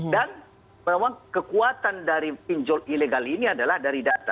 dan kekuatan dari pinjol ilegal ini adalah dari data